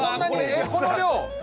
この量？